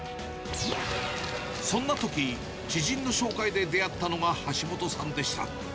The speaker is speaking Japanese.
そんなとき、知人の紹介で出会ったのが橋本さんでした。